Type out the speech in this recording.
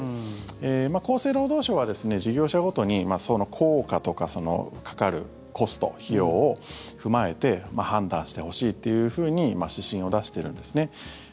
厚生労働省は事業者ごとにその効果とかかかるコスト、費用を踏まえて判断してほしいっていうふうに指針を出してるんですね。